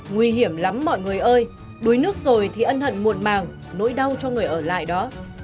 nguy hiểm lắm mọi người ơi đuối nước rồi thì ân hận muộn màng nỗi đau cho người ở lại đó